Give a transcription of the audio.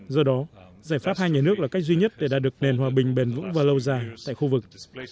do đó giải pháp hai nhà nước là cách duy nhất để đạt được nền hòa bình bền vững và lâu dài tại khu vực